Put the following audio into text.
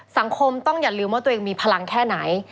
สังคมต้องอย่าลืมว่าตัวเองมีพลังแค่ไหน